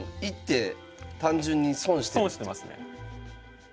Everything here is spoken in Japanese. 損してますね。